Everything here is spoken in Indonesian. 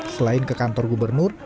selain ke kantor gubernur